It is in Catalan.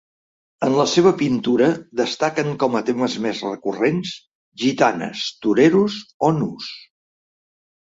En la seva pintura destaquen com a temes més recurrents: gitanes, toreros, o nus.